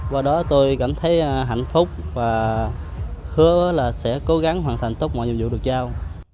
qua đó tôi cảm thấy hạnh phúc và hứa là sẽ cố gắng hoàn thành tốt mọi nhiệm vụ được giao